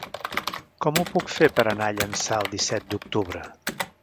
Com ho puc fer per anar a Llançà el disset d'octubre?